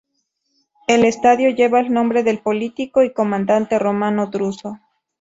El estadio lleva el nombre del político y comandante romano Druso.